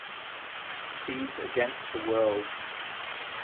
He's against the world.